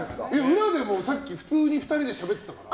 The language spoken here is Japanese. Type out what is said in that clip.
裏でもさっき普通に２人でしゃべってたから。